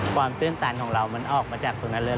ตื้นตันของเรามันออกมาจากตรงนั้นเลย